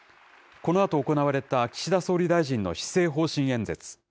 このあと行われた岸田総理大臣の施政方針演説。